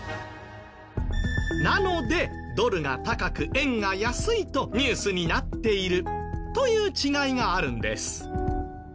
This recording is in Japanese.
なのでドルが高く円が安いとニュースになっているという違いがあるんです。